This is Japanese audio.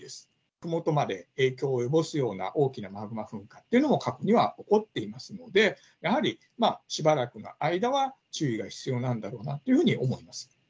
ふもとまで影響を及ぼすような大きなマグマ噴火というのも、過去には起こっていますので、やはりしばらくの間は注意が必要なんだろうなというふうに思います。